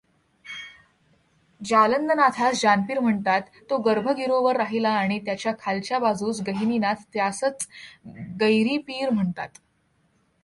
जालंदनाथास जानपीर म्हणतात, तो गर्भगिरोवर राहिला आणि त्याच्या खालच्या बाजूस गहिनीनाथ त्यासच गैरीपीर म्हणतात.